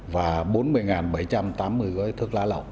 và bốn mươi bảy trăm tám mươi gói thước lá lọc